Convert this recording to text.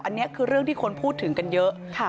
อันนี้คือเรื่องที่คนพูดถึงกันเยอะ